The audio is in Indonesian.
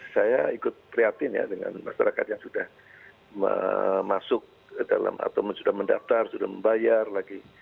saya ikut prihatin ya dengan masyarakat yang sudah masuk ke dalam atau sudah mendaftar sudah membayar lagi